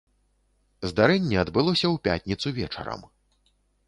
Здарэнне адбылося ў пятніцу вечарам.